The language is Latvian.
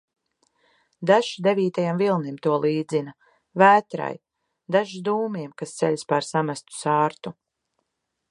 Dažs devītajam vilnim to līdzina, vētrai, dažs dūmiem, kas ceļas pār samestu sārtu.